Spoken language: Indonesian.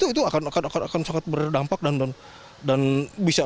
itu akan sangat berdampak dan bisa